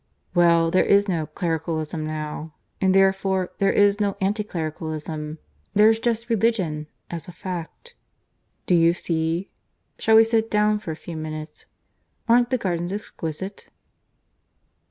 Well, there is no 'Clericalism' now, and therefore there is no anti Clericalism. There's just religion as a fact. Do you see? ... Shall we sit down for a few minutes? Aren't the gardens exquisite?"